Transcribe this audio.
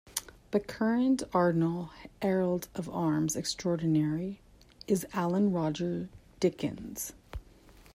The current Arundel Herald of Arms Extraordinary is Alan Roger Dickins.